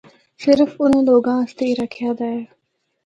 صرف اُنّاں لوگاں آسطے اے رکھیا دا اے۔